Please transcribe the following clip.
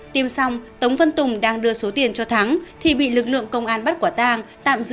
tiêm xong tống văn tùng đang đưa số tiền cho thắng thì bị lực lượng công an bắt quả tang tạm giữ